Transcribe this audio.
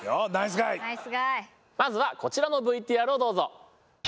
まずはこちらのＶＴＲをどうぞ。